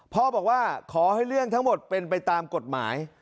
พ่อบอกว่าขอให้เรื่องทั้งหมดเป็นไปตามกฎหมาย